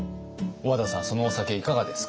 小和田さんそのお酒いかがですか？